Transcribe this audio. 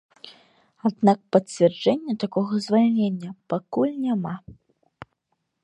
Аднак пацвярджэння такога звальнення пакуль няма.